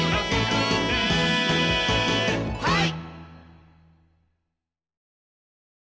はい！